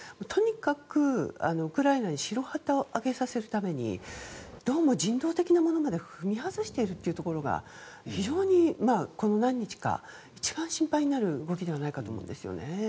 とにかくウクライナに白旗を揚げさせるためにどうも人道的なものまで踏み外しているということが非常にこの何日か一番心配になる動きではないかと思うんですね。